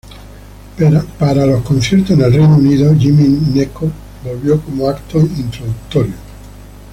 Para los conciertos en el Reino Unido, Jimmy Gnecco volvió como acto introductorio.